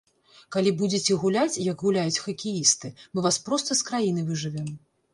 Калі будзеце гуляць, як гуляюць хакеісты, мы вас проста з краіны выжывем.